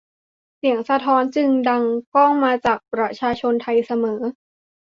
เสียงสะท้อนจึงดังก้องมาจากประชาชนไทยเสมอ